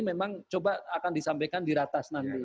memang coba akan disampaikan di ratas nanti